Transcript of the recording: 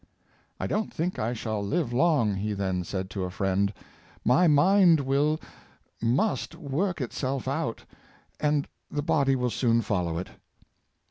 " I don't think I shall live long," he then said to a friend; " my mind will — must work itself out, and the body will soon fol low it."